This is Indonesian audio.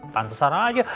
tante sara aja